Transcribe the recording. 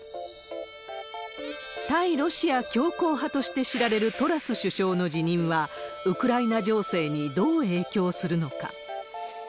対ロシア強硬派として知られるトラス首相の辞任は、ウクライナ情勢にどう影響するのか。